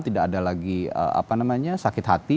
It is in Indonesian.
tidak ada lagi apa namanya sakit hati